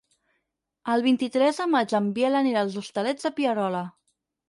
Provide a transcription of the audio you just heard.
El vint-i-tres de maig en Biel anirà als Hostalets de Pierola.